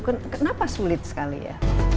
kenapa sulit sekali ya